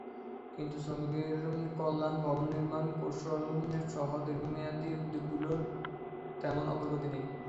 কিন্তু শ্রমিকের কল্যাণ, ভবন নির্মাণ কৌশলসহ দীর্ঘমেয়াদি উদ্যোগগুলোর তেমন অগ্রগতি নেই।